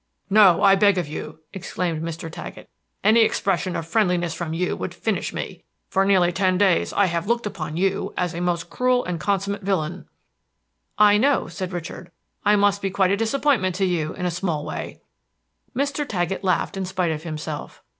"No, I beg of you!" exclaimed Mr. Taggett. "Any expression of friendliness from you would finish me! For nearly ten days I have looked upon you as a most cruel and consummate villain." "I know," said Richard. "I must be quite a disappointment to you, in a small way." Mr. Taggett laughed in spite of himself.